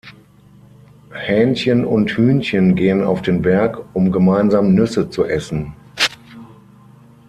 Hähnchen und Hühnchen gehen auf den Berg, um gemeinsam Nüsse zu essen.